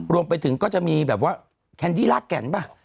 รวมไปถึงก็จะมีแบบว่าแคนดี้ลากแก่นป่ะ